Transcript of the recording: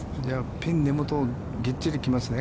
ピンの根元、ぎっちり来ますね。